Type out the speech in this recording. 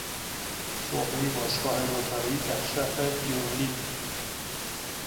شعبهی باشگاه روتاری در شهر ویورلی